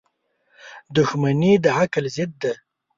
• دښمني د عقل ضد ده.